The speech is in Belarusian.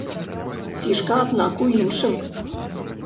Фішка, аднак, у іншым.